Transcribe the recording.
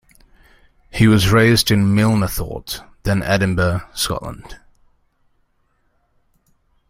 He was raised in Milnathort then Edinburgh, Scotland.